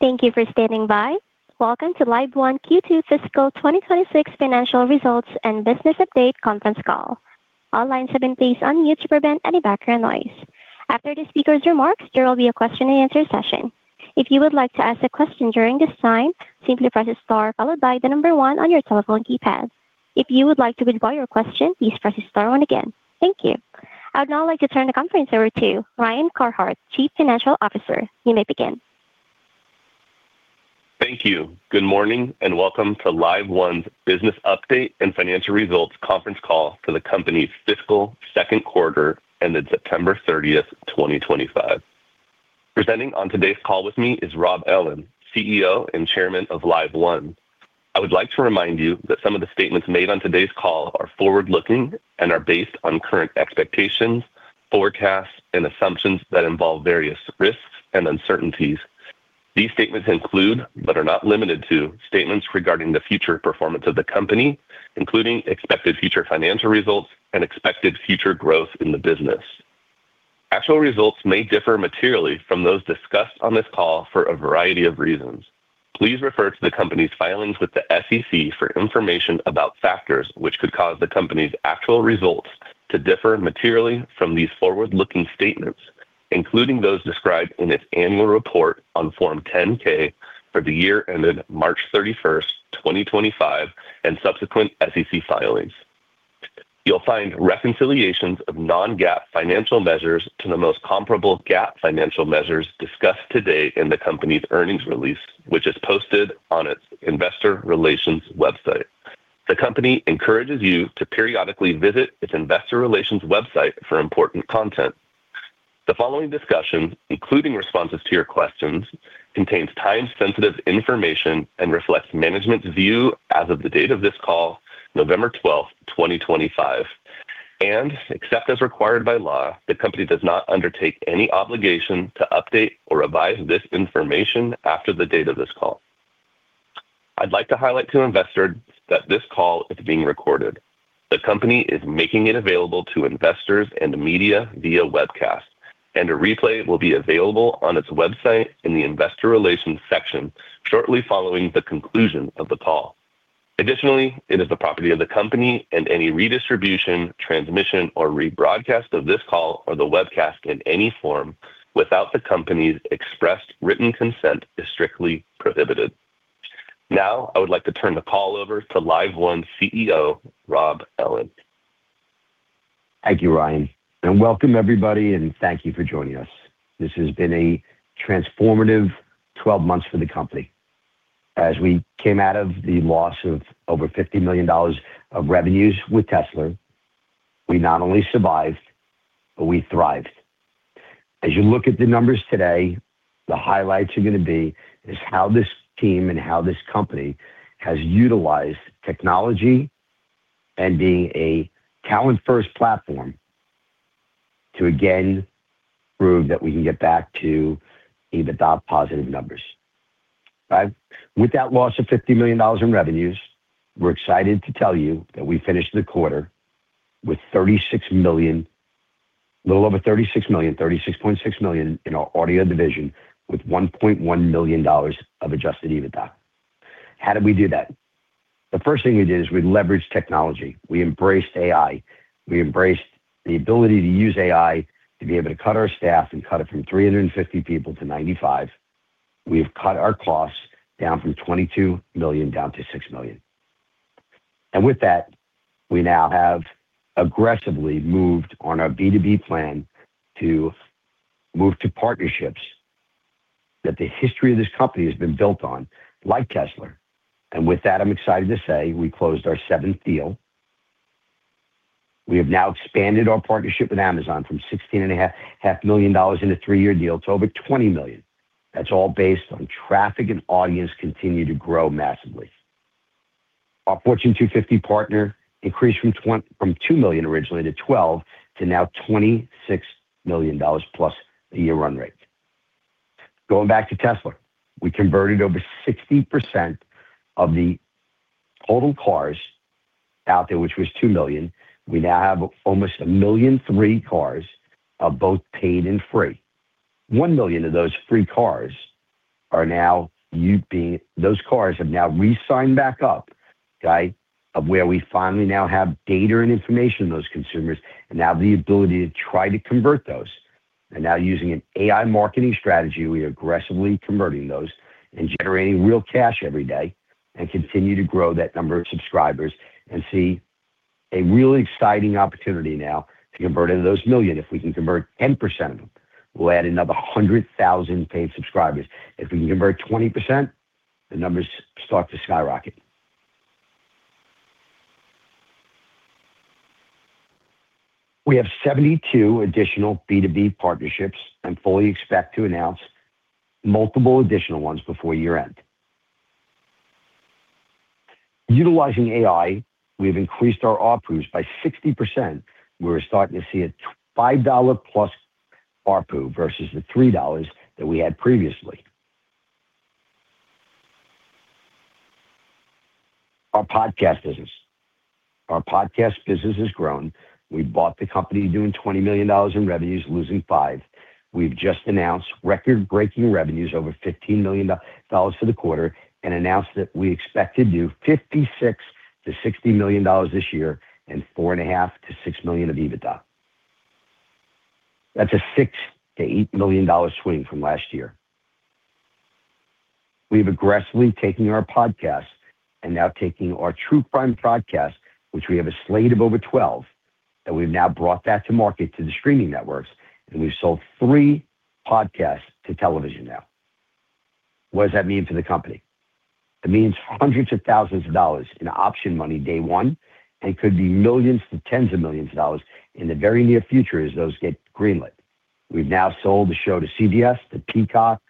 Thank you for standing by. Welcome to LiveOne Q2 fiscal 2026 financial results and business update conference call. All lines have been placed on mute to prevent any background noise. After the speaker's remarks, there will be a question-and-answer session. If you would like to ask a question during this time, simply press star followed by the number one on your telephone keypad. If you would like to withdraw your question, please press star one again. Thank you. I would now like to turn the conference over to Ryan Carhart, Chief Financial Officer. You may begin. Thank you. Good morning and welcome to LiveOne's business update and financial results conference call for the company's fiscal second quarter ended September 30th, 2025. Presenting on today's call with me is Rob Ellin, CEO and Chairman of LiveOne. I would like to remind you that some of the statements made on today's call are forward-looking and are based on current expectations, forecasts, and assumptions that involve various risks and uncertainties. These statements include, but are not limited to, statements regarding the future performance of the company, including expected future financial results and expected future growth in the business. Actual results may differ materially from those discussed on this call for a variety of reasons. Please refer to the company's filings with the SEC for information about factors which could cause the company's actual results to differ materially from these forward-looking statements, including those described in its annual report on Form 10-K for the year ended March 31st, 2025, and subsequent SEC filings. You'll find reconciliations of non-GAAP financial measures to the most comparable GAAP financial measures discussed today in the company's earnings release, which is posted on its investor relations website. The company encourages you to periodically visit its investor relations website for important content. The following discussion, including responses to your questions, contains time-sensitive information and reflects management's view as of the date of this call, November 12th, 2025, and, except as required by law, the company does not undertake any obligation to update or revise this information after the date of this call. I'd like to highlight to investors that this call is being recorded. The company is making it available to investors and media via webcast, and a replay will be available on its website in the investor relations section shortly following the conclusion of the call. Additionally, it is the property of the company, and any redistribution, transmission, or rebroadcast of this call or the webcast in any form without the company's expressed written consent is strictly prohibited. Now, I would like to turn the call over to LiveOne CEO, Rob Ellin. Thank you, Ryan, and welcome everybody, and thank you for joining us. This has been a transformative 12 months for the company. As we came out of the loss of over $50 million of revenues with Tesla, we not only survived, but we thrived. As you look at the numbers today, the highlights are going to be how this team and how this company has utilized technology and being a talent-first platform to again prove that we can get back to even positive numbers. With that loss of $50 million in revenues, we're excited to tell you that we finished the quarter with a little over $36 million, $36.6 million, in our audio division with $1.1 million of Adjusted EBITDA. How did we do that? The first thing we did is we leveraged technology. We embraced AI. We embraced the ability to use AI to be able to cut our staff and cut it from 350 people to 95. We have cut our costs down from $22 million down to $6 million. With that, we now have aggressively moved on our B2B plan to move to partnerships that the history of this company has been built on, like Tesla. With that, I'm excited to say we closed our seventh deal. We have now expanded our partnership with Amazon from $16.5 million in a three-year deal to over $20 million. That's all based on traffic and audience continuing to grow massively. Our Fortune 250 partner increased from $2 million originally to $12 million to now $26 million plus a year run rate. Going back to Tesla, we converted over 60% of the total cars out there, which was 2 million. We now have almost a million free cars, both paid and free. One million of those free cars are now being—those cars have now re-signed back up, right, of where we finally now have data and information on those consumers and now the ability to try to convert those. Now, using an AI marketing strategy, we are aggressively converting those and generating real cash every day and continue to grow that number of subscribers and see a really exciting opportunity now to convert into those million. If we can convert 10% of them, we will add another 100,000 paid subscribers. If we can convert 20%, the numbers start to skyrocket. We have 72 additional B2B partnerships, and fully expect to announce multiple additional ones before year-end. Utilizing AI, we have increased our RPUs by 60%. We are starting to see a $5+ RPU versus the $3 that we had previously. Our podcast business. Our podcast business has grown. We bought the company doing $20 million in revenues, losing $5 million. We have just announced record-breaking revenues over $15 million for the quarter and announced that we expect to do $56 million-$60 million this year and $4.5 million-$6 million of EBITDA. That is a $6 million-$8 million swing from last year. We have aggressively taken our podcast and now taking our true crime podcast, which we have a slate of over 12, that we have now brought that to market to the streaming networks, and we have sold three podcasts to television now. What does that mean for the company? It means hundreds of thousands of dollars in option money day one and could be millions to tens of millions of dollars in the very near future as those get greenlit. We've now sold the show to CBS, to Peacock,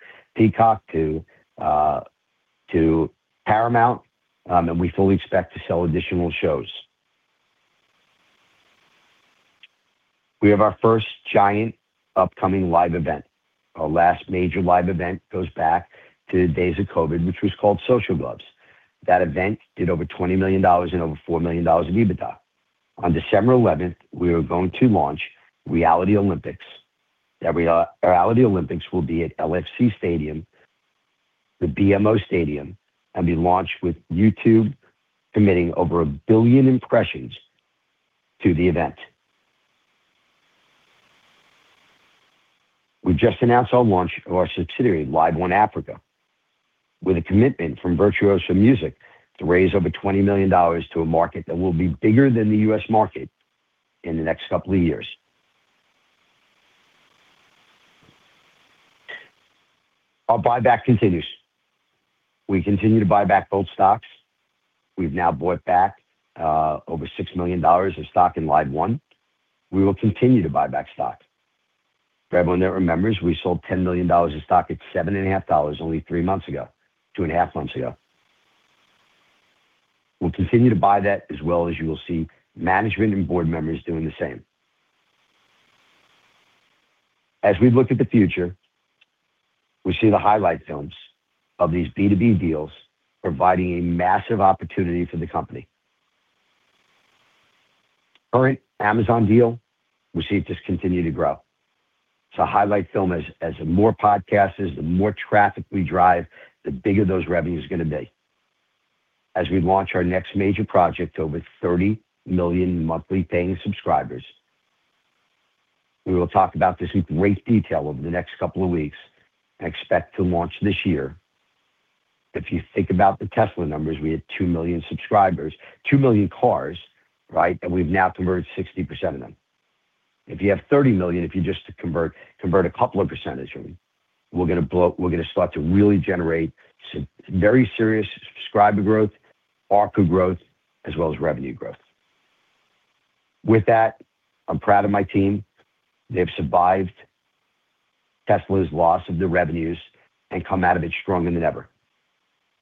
to Paramount, and we fully expect to sell additional shows. We have our first giant upcoming live event. Our last major live event goes back to the days of COVID, which was called Social Gloves. That event did over $20 million and over $4 million of EBITDA. On December 11, we are going to launch Reality Olympics. Reality Olympics will be at BMO Stadium and be launched with YouTube committing over a billion impressions to the event. We just announced our launch of our subsidiary, LiveOne Africa, with a commitment from Virtuosa Music to raise over $20 million to a market that will be bigger than the U.S. market in the next couple of years. Our buyback continues. We continue to buy back both stocks. We've now bought back over $6 million of stock in LiveOne. We will continue to buy back stock. For everyone that remembers, we sold $10 million of stock at $7.5 million only three months ago, two and a half months ago. We'll continue to buy that as well as you will see management and board members doing the same. As we look at the future, we see the highlight films of these B2B deals providing a massive opportunity for the company. Current Amazon deal will see it just continue to grow. It's a highlight film as more podcasts, the more traffic we drive, the bigger those revenues are going to be. As we launch our next major project to over 30 million monthly paying subscribers, we will talk about this in great detail over the next couple of weeks and expect to launch this year. If you think about the Tesla numbers, we had 2 million subscribers, 2 million cars, right, and we've now converted 60% of them. If you have 30 million, if you just convert a couple of percentage of them, we're going to start to really generate very serious subscriber growth, ARPU growth, as well as revenue growth. With that, I'm proud of my team. They've survived Tesla's loss of the revenues and come out of it stronger than ever.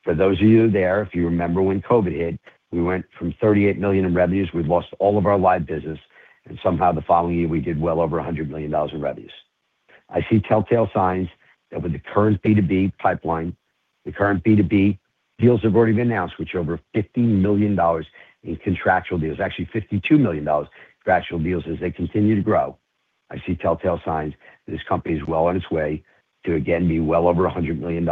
For those of you there, if you remember when COVID hit, we went from $38 million in revenues. We lost all of our live business, and somehow the following year, we did well over $100 million in revenues. I see telltale signs that with the current B2B pipeline, the current B2B deals have already been announced, which are over $50 million in contractual deals, actually $52 million contractual deals as they continue to grow. I see telltale signs that this company is well on its way to again be well over $100 million.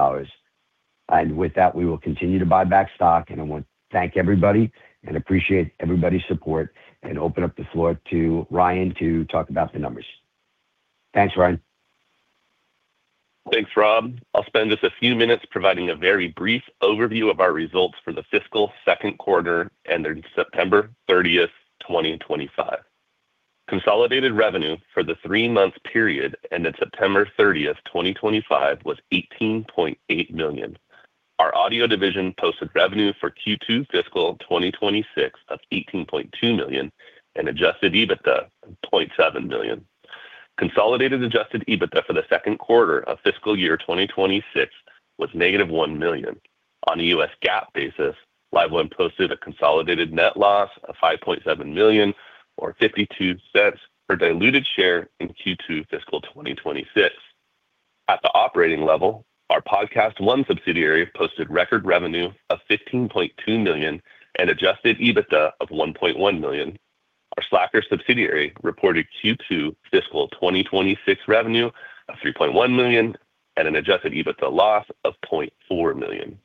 With that, we will continue to buy back stock, and I want to thank everybody and appreciate everybody's support and open up the floor to Ryan to talk about the numbers. Thanks, Ryan. Thanks, Rob. I'll spend just a few minutes providing a very brief overview of our results for the fiscal second quarter ended September 30, 2025. Consolidated revenue for the three-month period ended September 30th, 2025, was $18.8 million. Our audio division posted revenue for Q2 fiscal 2026 of $18.2 million and Adjusted EBITDA of $0.7 million. Consolidated Adjusted EBITDA for the second quarter of fiscal year 2026 was -$1 million. On a U.S. GAAP basis, LiveOne posted a consolidated net loss of $5.7 million or $0.52 per diluted share in Q2 fiscal 2026. At the operating level, our PodcastOne subsidiary posted record revenue of $15.2 million and Adjusted EBITDA of $1.1 million. Our Slacker subsidiary reported Q2 fiscal 2026 revenue of $3.1 million and an adjusted EBITDA loss of $0.4 million.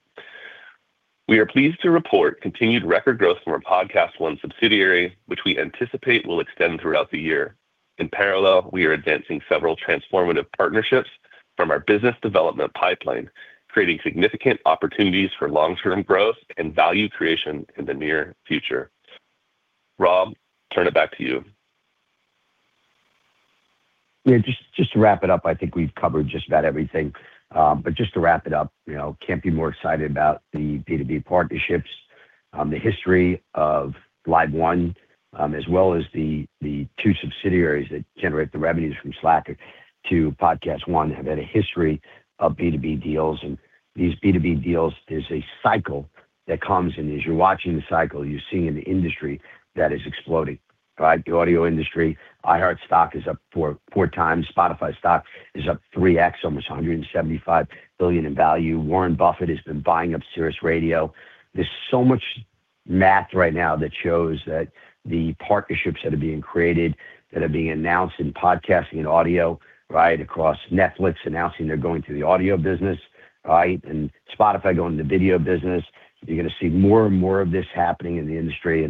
We are pleased to report continued record growth from our PodcastOne subsidiary, which we anticipate will extend throughout the year. In parallel, we are advancing several transformative partnerships from our business development pipeline, creating significant opportunities for long-term growth and value creation in the near future. Rob, turn it back to you. Yeah, just to wrap it up, I think we've covered just about everything. Just to wrap it up, can't be more excited about the B2B partnerships, the history of LiveOne, as well as the two subsidiaries that generate the revenues from Slacker to PodcastOne have had a history of B2B deals. These B2B deals is a cycle that comes, and as you're watching the cycle, you're seeing in the industry that is exploding. The audio industry, iHeart stock is up 4x. Spotify stock is up 3x, almost $175 billion in value. Warren Buffett has been buying up Sirius Radio. There's so much math right now that shows that the partnerships that are being created, that are being announced in podcasting and audio, across Netflix announcing they're going to the audio business, and Spotify going to the video business. You're going to see more and more of this happening in the industry.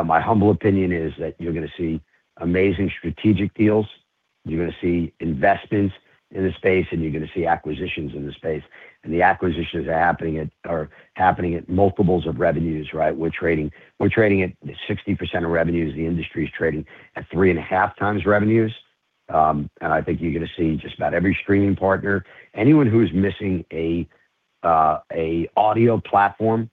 In my humble opinion, you're going to see amazing strategic deals. You're going to see investments in the space, and you're going to see acquisitions in the space. The acquisitions are happening at multiples of revenues. We're trading at 60% of revenues. The industry is trading at three and a half times revenues. I think you're going to see just about every streaming partner. Anyone who's missing an audio platform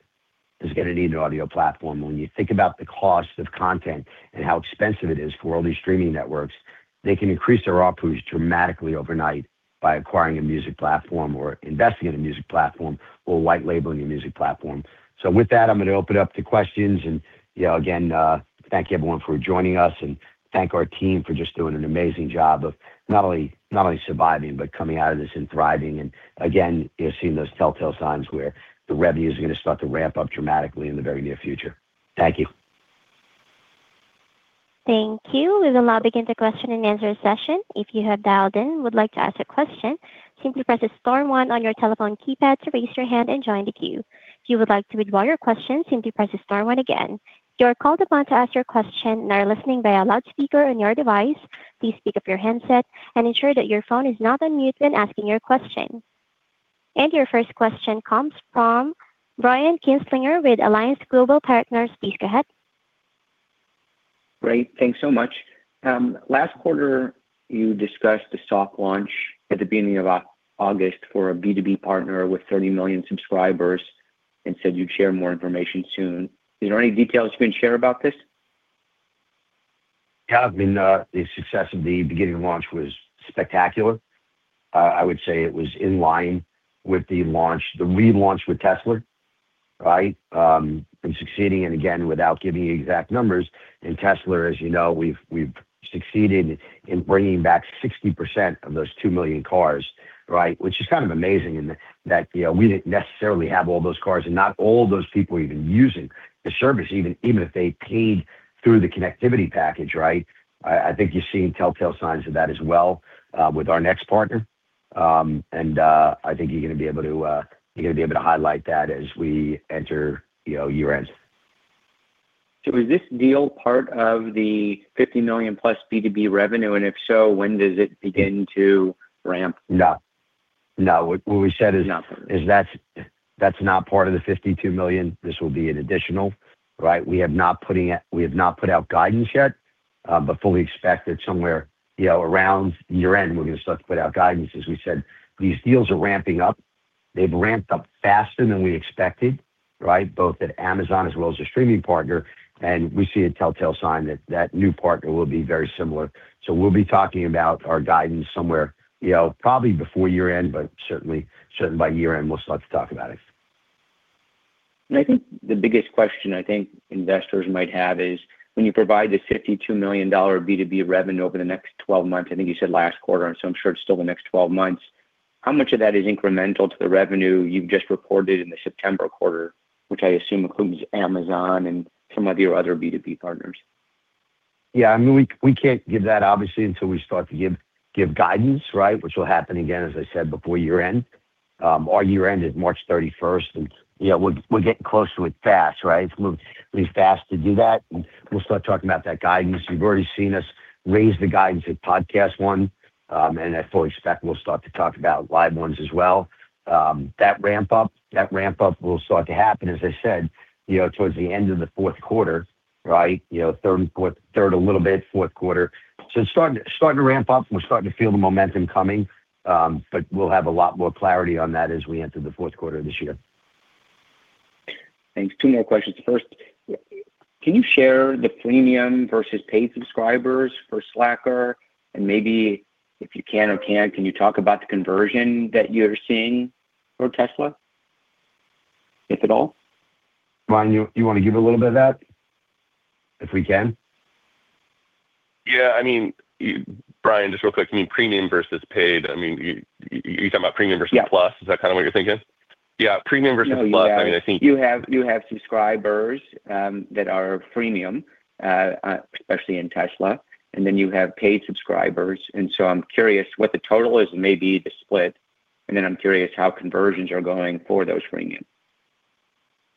is going to need an audio platform. When you think about the cost of content and how expensive it is for all these streaming networks, they can increase their RPUs dramatically overnight by acquiring a music platform or investing in a music platform or white labeling a music platform. With that, I'm going to open it up to questions. Thank you everyone for joining us, and thank our team for just doing an amazing job of not only surviving, but coming out of this and thriving. You're seeing those telltale signs where the revenues are going to start to ramp up dramatically in the very near future. Thank you. Thank you. We will now begin the question-and-answer session. If you have dialed in, would like to ask a question, simply press the star one on your telephone keypad to raise your hand and join the queue. If you would like to withdraw your question, simply press the star one again. You are called upon to ask your question and are listening via loudspeaker on your device. Please speak up your headset and ensure that your phone is not unmuted when asking your question. Your first question comes from Brian Kinslinger with Alliance Global Partners. Please go ahead. Great. Thanks so much. Last quarter, you discussed the stock launch at the beginning of August for a B2B partner with 30 million subscribers and said you'd share more information soon. Is there any details you can share about this? Yeah. I mean, the success of the beginning launch was spectacular. I would say it was in line with the launch, the relaunch with Tesla, and succeeding, and again, without giving exact numbers. And Tesla, as you know, we've succeeded in bringing back 60% of those 2 million cars, which is kind of amazing in that we didn't necessarily have all those cars and not all those people even using the service, even if they paid through the connectivity package. I think you're seeing telltale signs of that as well with our next partner. And I think you're going to be able to highlight that as we enter year-end. Is this deal part of the $50 million+ B2B revenue? And if so, when does it begin to ramp? No. No. What we said is that's not part of the $52 million. This will be an additional. We have not put out guidance yet, but fully expect that somewhere around year-end, we're going to start to put out guidance as we said. These deals are ramping up. They've ramped up faster than we expected, both at Amazon as well as a streaming partner. We see a telltale sign that that new partner will be very similar. We will be talking about our guidance somewhere probably before year-end, but certainly by year-end, we'll start to talk about it. I think the biggest question I think investors might have is when you provide this $52 million B2B revenue over the next 12 months, I think you said last quarter, and so I'm sure it's still the next 12 months. How much of that is incremental to the revenue you've just reported in the September quarter, which I assume includes Amazon and some of your other B2B partners? Yeah. I mean, we can't give that obviously until we start to give guidance, which will happen again, as I said, before year-end. Our year-end is March 31st. And we're getting close to it fast. It's moving fast to do that. We'll start talking about that guidance. You've already seen us raise the guidance at PodcastOne, and I fully expect we'll start to talk about LiveOne as well. That ramp up, that ramp up will start to happen, as I said, towards the end of the fourth quarter, third a little bit, fourth quarter. It's starting to ramp up. We're starting to feel the momentum coming, but we'll have a lot more clarity on that as we enter the fourth quarter of this year. Thanks. Two more questions. First, can you share the premium versus paid subscribers for Slacker? And maybe if you can or can't, can you talk about the conversion that you're seeing for Tesla, if at all? Ryan, you want to give a little bit of that if we can? Yeah. I mean, Brian, just real quick, I mean, premium versus paid, I mean, you're talking about premium versus plus? Is that kind of what you're thinking? Yeah. Premium versus plus. I mean, I think. You have subscribers that are premium, especially in Tesla, and then you have paid subscribers. I am curious what the total is and maybe the split. I am curious how conversions are going for those premium.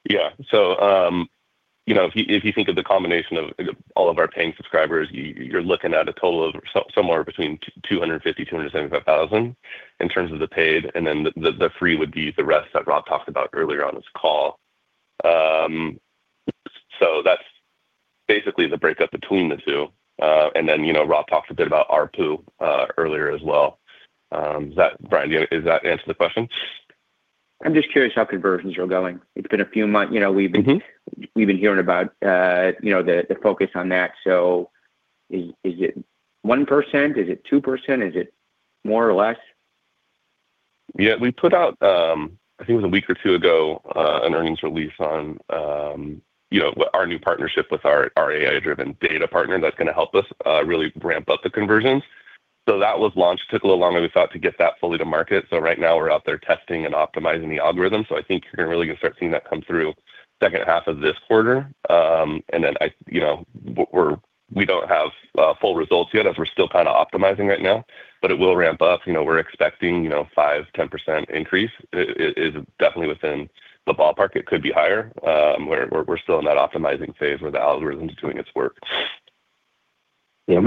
Yeah. If you think of the combination of all of our paying subscribers, you're looking at a total of somewhere between 250,000-275,000 in terms of the paid. The free would be the rest that Rob talked about earlier on his call. That's basically the breakup between the two. Rob talked a bit about ARPU earlier as well. Brian, does that answer the question? I'm just curious how conversions are going. It's been a few months. We've been hearing about the focus on that. Is it 1%? Is it 2%? Is it more or less? Yeah. We put out, I think it was a week or two ago, an earnings release on our new partnership with our AI-driven data partner that's going to help us really ramp up the conversions. That was launched. It took a little longer to start to get that fully to market. Right now, we're out there testing and optimizing the algorithm. I think you're really going to start seeing that come through second half of this quarter. We don't have full results yet as we're still kind of optimizing right now, but it will ramp up. We're expecting a 5-10% increase. It is definitely within the ballpark. It could be higher. We're still in that optimizing phase where the algorithm is doing its work. Yeah.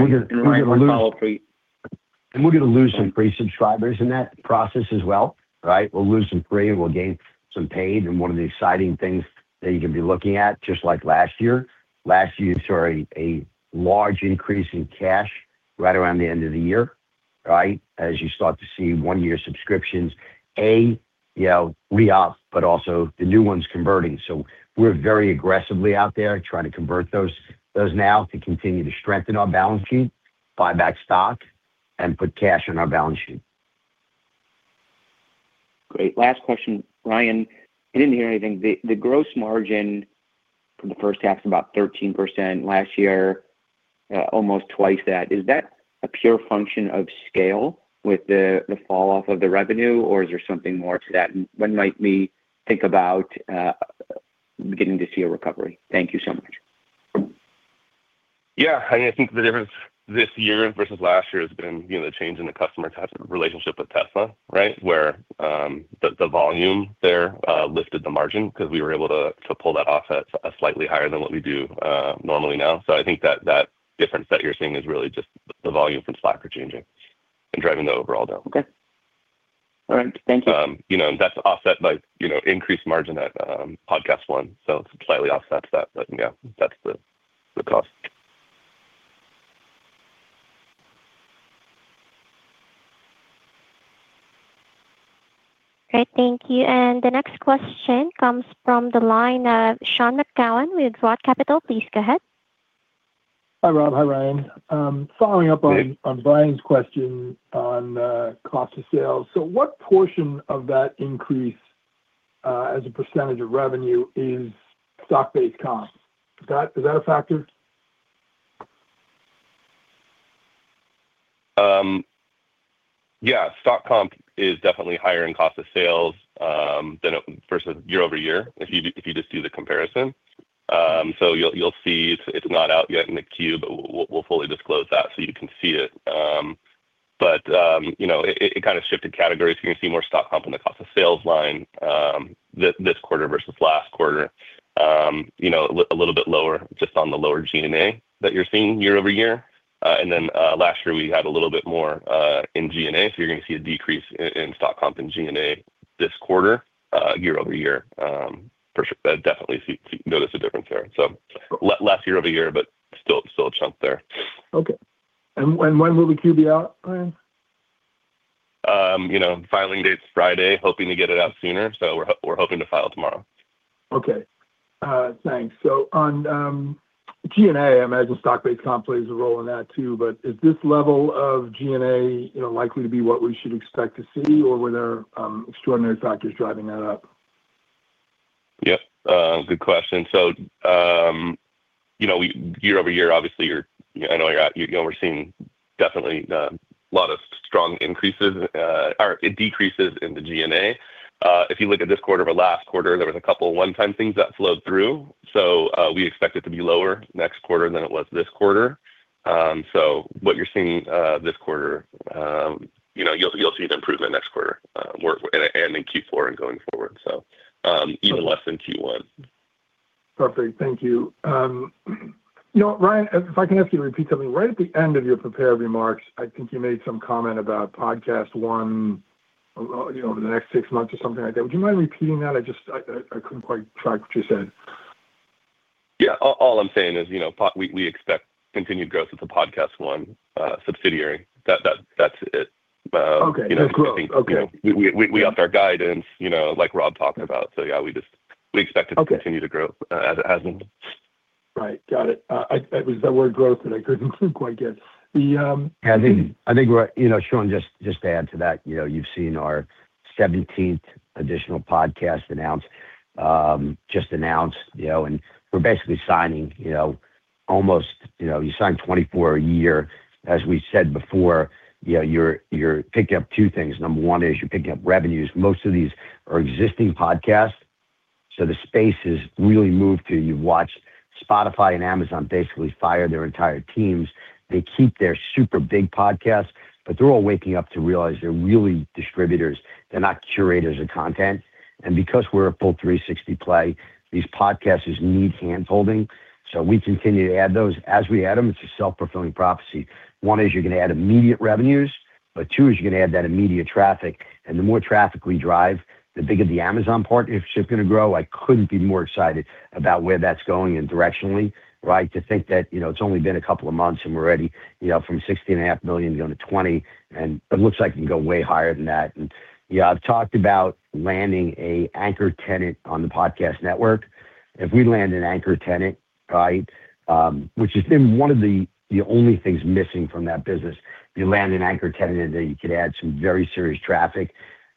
We're going to lose some free subscribers in that process as well. We'll lose some free and we'll gain some paid. One of the exciting things that you can be looking at, just like last year, last year, you saw a large increase in cash right around the end of the year as you start to see one-year subscriptions, A, re-op, but also the new ones converting. We are very aggressively out there trying to convert those now to continue to strengthen our balance sheet, buy back stock, and put cash on our balance sheet. Great. Last question, Ryan. I did not hear anything. The gross margin for the first half is about 13% last year, almost twice that. Is that a pure function of scale with the falloff of the revenue, or is there something more to that? What might we think about getting to see a recovery? Thank you so much. Yeah. I think the difference this year versus last year has been the change in the customer relationship with Tesla, where the volume there lifted the margin because we were able to pull that off at a slightly higher than what we do normally now. I think that difference that you're seeing is really just the volume from Slacker changing and driving the overall down. Okay. All right. Thank you. That's offset by increased margin at PodcastOne. It's slightly offset to that, but yeah, that's the cost. Great. Thank you. The next question comes from the line of Sean McGowan with ROTH Capital. Please go ahead. Hi, Rob. Hi, Ryan. Following up on Brian's question on cost of sales. What portion of that increase as a percentage of revenue is stock-based comp? Is that a factor? Yeah. Stock comp is definitely higher in cost of sales versus year-over-year if you just do the comparison. You'll see it's not out yet in the queue, but we'll fully disclose that so you can see it. It kind of shifted categories. You're going to see more stock comp on the cost of sales line this quarter versus last quarter, a little bit lower just on the lower G&A that you're seeing year-over-year. Last year, we had a little bit more in G&A. You're going to see a decrease in stock comp and G&A this quarter year-over-year. Definitely notice the difference there. Less year-over-year, but still a chunk there. Okay. And when will the Q be out, Ryan? Filing date's Friday. Hoping to get it out sooner. So we're hoping to file tomorrow. Okay. Thanks. So on G&A, I imagine stock-based comp plays a role in that too. But is this level of G&A likely to be what we should expect to see, or were there extraordinary factors driving that up? Yep. Good question. Year-over-year, obviously, I know we're seeing definitely a lot of strong increases or decreases in the G&A. If you look at this quarter or last quarter, there were a couple of one-time things that flowed through. We expect it to be lower next quarter than it was this quarter. What you're seeing this quarter, you'll see an improvement next quarter and in Q4 and going forward, even less than Q1. Perfect. Thank you. Ryan, if I can ask you to repeat something. Right at the end of your prepared remarks, I think you made some comment about PodcastOne over the next six months or something like that. Would you mind repeating that? I could not quite track what you said. Yeah. All I'm saying is we expect continued growth with the PodcastOne subsidiary. That's it. Okay. Great. We upped our guidance like Rob talked about. Yeah, we expect it to continue to grow as it has been. Right. Got it. It was that word growth that I couldn't quite get. I think Sean, just to add to that, you've seen our 17th additional podcast announced, just announced. And we're basically signing almost, you sign 24 a year. As we said before, you're picking up two things. Number one is you're picking up revenues. Most of these are existing podcasts. So the space has really moved to, you've watched Spotify and Amazon basically fire their entire teams. They keep their super big podcasts, but they're all waking up to realize they're really distributors. They're not curators of content. Because we're a full 360 play, these podcasts need handholding. We continue to add those. As we add them, it's a self-fulfilling prophecy. One is you're going to add immediate revenues, but two is you're going to add that immediate traffic. The more traffic we drive, the bigger the Amazon partnership is going to grow. I could not be more excited about where that is going and directionally, to think that it has only been a couple of months and we are ready from $16.5 million to go to $20 million. It looks like it can go way higher than that. I have talked about landing an anchor tenant on the podcast network. If we land an anchor tenant, which has been one of the only things missing from that business, you land an anchor tenant and then you could add some very serious traffic,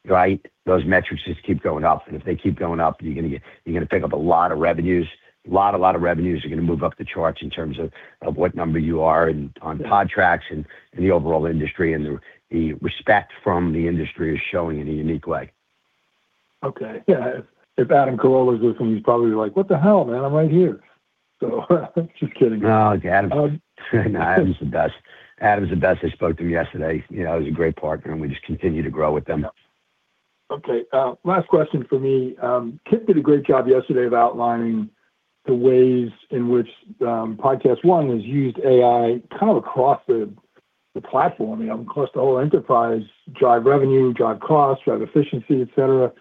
those metrics just keep going up. If they keep going up, you are going to pick up a lot of revenues, a lot, a lot of revenues. You are going to move up the charts in terms of what number you are on Podtrac and the overall industry. The respect from the industry is showing in a unique way. Okay. Yeah. If Adam Karola is with him, he's probably like, "What the hell, man? I'm right here." So I'm just kidding. No, Adam's the best. Adam's the best. I spoke to him yesterday. He's a great partner, and we just continue to grow with them. Okay. Last question for me. Kit did a great job yesterday of outlining the ways in which PodcastOne has used AI kind of across the platform, across the whole enterprise, drive revenue, drive cost, drive efficiency, etc.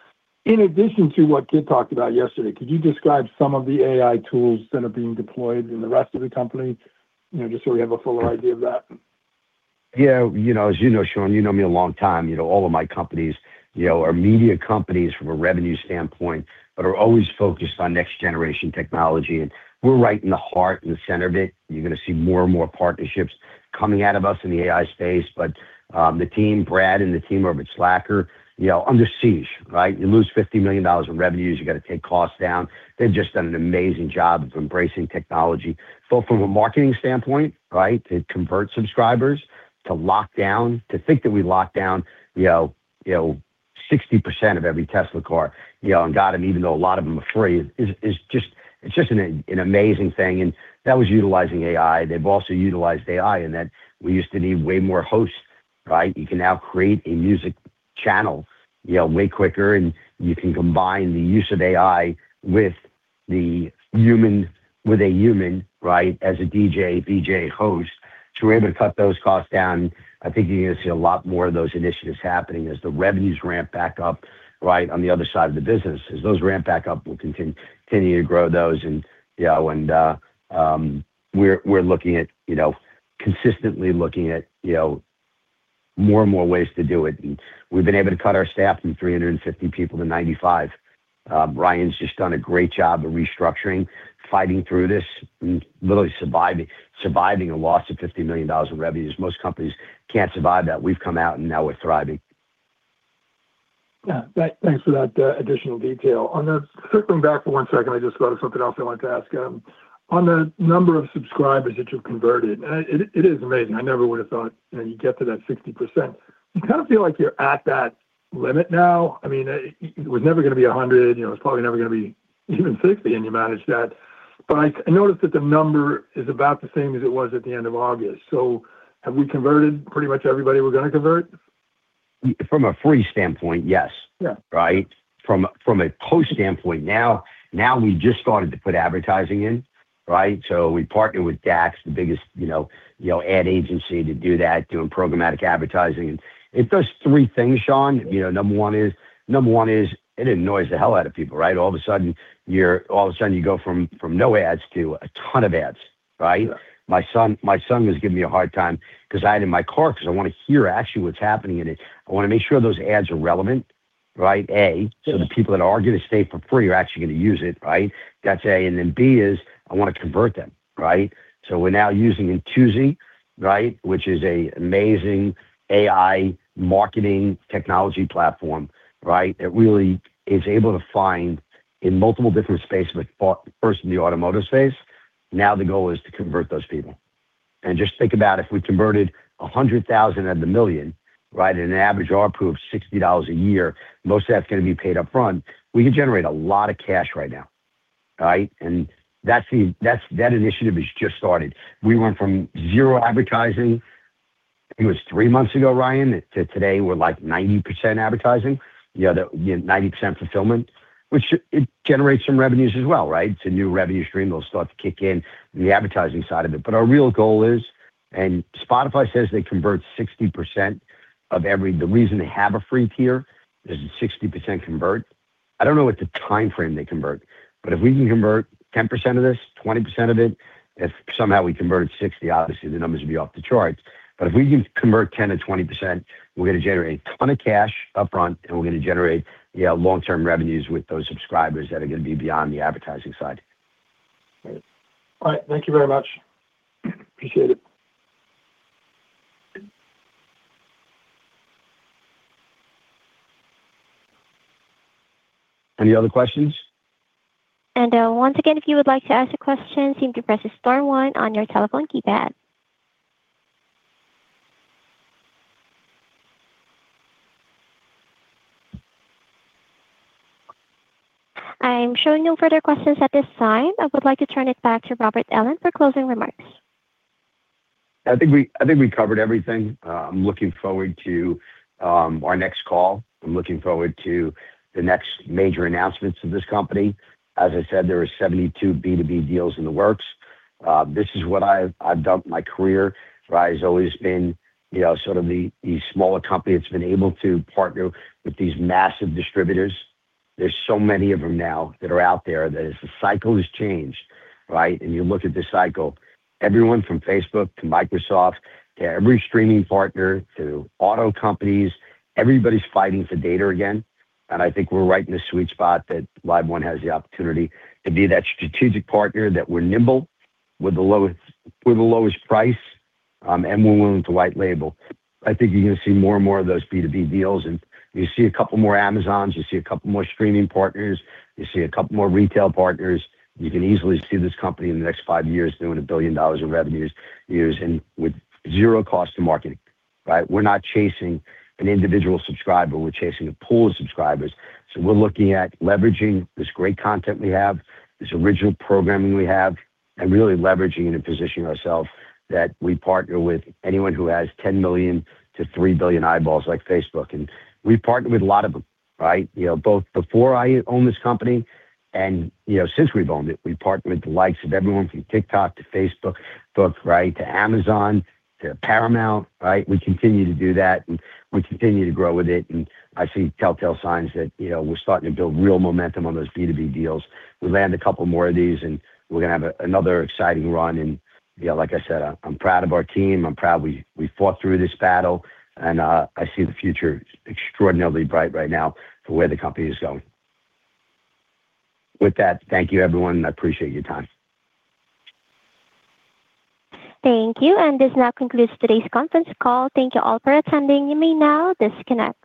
In addition to what Kit talked about yesterday, could you describe some of the AI tools that are being deployed in the rest of the company just so we have a fuller idea of that? Yeah. As you know, Sean, you know me a long time. All of my companies are media companies from a revenue standpoint, but are always focused on next-generation technology. We're right in the heart and the center of it. You're going to see more and more partnerships coming out of us in the AI space. The team, Brad and the team over at Slacker, under siege. You lose $50 million in revenues. You got to take costs down. They've just done an amazing job of embracing technology, both from a marketing standpoint, to convert subscribers, to lock down, to think that we lock down 60% of every Tesla car and got them, even though a lot of them are free. It's just an amazing thing. That was utilizing AI. They've also utilized AI in that we used to need way more hosts. You can now create a music channel way quicker, and you can combine the use of AI with a human as a DJ, VJ, host. We are able to cut those costs down. I think you are going to see a lot more of those initiatives happening as the revenues ramp back up on the other side of the business. As those ramp back up, we will continue to grow those. We are looking at consistently looking at more and more ways to do it. We have been able to cut our staff from 350 people to 95. Ryan has just done a great job of restructuring, fighting through this, and literally surviving a loss of $50 million in revenues. Most companies cannot survive that. We have come out, and now we are thriving. Yeah. Thanks for that additional detail. Circling back for one second, I just thought of something else I wanted to ask. On the number of subscribers that you've converted, it is amazing. I never would have thought you'd get to that 60%. You kind of feel like you're at that limit now. I mean, it was never going to be 100. It was probably never going to be even 60, and you managed that. I noticed that the number is about the same as it was at the end of August. Have we converted pretty much everybody we're going to convert? From a free standpoint, yes. From a cost standpoint, now we just started to put advertising in. We partnered with Dax, the biggest ad agency, to do that, doing programmatic advertising. It does three things, Sean. Number one is it annoys the hell out of people. All of a sudden, you go from no ads to a ton of ads. My son was giving me a hard time because I had it in my car because I want to hear actually what's happening in it. I want to make sure those ads are relevant, A, so the people that are going to stay for free are actually going to use it. That's A. And then B is I want to convert them. We're now using Intuzi, which is an amazing AI marketing technology platform that really is able to find in multiple different spaces, but first in the automotive space. Now the goal is to convert those people. Just think about if we converted 100,000 out of the million at an average RPU of $60 a year, most of that's going to be paid upfront, we could generate a lot of cash right now. That initiative has just started. We went from zero advertising—it was three months ago, Ryan—to today, we're like 90% advertising, 90% fulfillment, which generates some revenues as well. It's a new revenue stream. They'll start to kick in the advertising side of it. Our real goal is, and Spotify says they convert 60% of every—the reason they have a free tier is 60% convert. I don't know what the timeframe they convert, but if we can convert 10% of this, 20% of it, if somehow we converted 60, obviously, the numbers would be off the charts. If we can convert 10-20%, we're going to generate a ton of cash upfront, and we're going to generate long-term revenues with those subscribers that are going to be beyond the advertising side. All right. Thank you very much. Appreciate it. Any other questions? Once again, if you would like to ask a question, simply press the star one on your telephone keypad. I'm showing no further questions at this time. I would like to turn it back to Rob Ellin for closing remarks. I think we covered everything. I'm looking forward to our next call. I'm looking forward to the next major announcements of this company. As I said, there are 72 B2B deals in the works. This is what I've done my career. Ryan's always been sort of the smaller company that's been able to partner with these massive distributors. There are so many of them now that are out there that the cycle has changed. You look at the cycle, everyone from Facebook to Microsoft to every streaming partner to auto companies, everybody's fighting for data again. I think we're right in the sweet spot that LiveOne has the opportunity to be that strategic partner that we're nimble with the lowest price and we're willing to white label. I think you're going to see more and more of those B2B deals. You see a couple more Amazons. You see a couple more streaming partners. You see a couple more retail partners. You can easily see this company in the next five years doing a billion dollars of revenues with zero cost to marketing. We're not chasing an individual subscriber. We're chasing a pool of subscribers. We're looking at leveraging this great content we have, this original programming we have, and really leveraging and positioning ourselves that we partner with anyone who has 10 million-3 billion eyeballs like Facebook. We partner with a lot of them, both before I owned this company and since we've owned it. We partner with the likes of everyone from TikTok to Facebook to Amazon to Paramount. We continue to do that, and we continue to grow with it. I see telltale signs that we're starting to build real momentum on those B2B deals. have landed a couple more of these, and we are going to have another exciting run. Like I said, I am proud of our team. I am proud we fought through this battle. I see the future extraordinarily bright right now for where the company is going. With that, thank you, everyone. I appreciate your time. Thank you. This now concludes today's conference call. Thank you all for attending. You may now disconnect.